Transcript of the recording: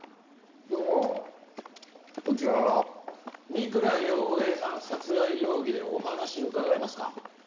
三倉陽平さん殺害容疑でお話伺えますか？